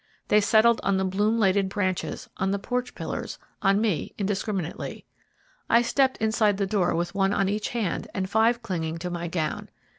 They settled on the bloom laden branches, on the porch pillars, on me indiscriminately. I stepped inside the door with one on each hand and five clinging to my gown.